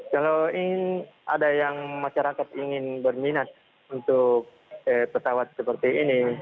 kalau ada yang masyarakat ingin berminat untuk pesawat seperti ini